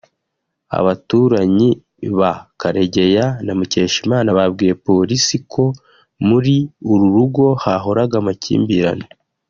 Abaturanyi ba Karegeya na Mukeshimana babwiye Polisi ko muri uru rugo hahoraga amakimbirane